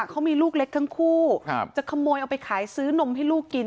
เขามีลูกเล็กทั้งคู่จะขโมยเอาไปขายซื้อนมให้ลูกกิน